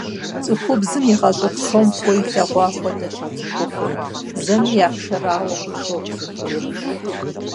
Цӏыхубзым игъащӏэ псом фӏыуэ илъэгъуа хуэдэщ а цӏыхухъур, зэми и ахъшэрауэ къыпщохъу зыхуейр.